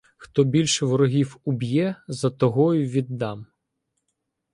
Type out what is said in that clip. — Хто більше ворогів уб'є, за того й віддам.